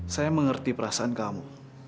saya mengerti perasaan kamu